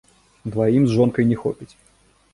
Дваім з жонкай не хопіць.